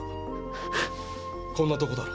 こんなところだろ？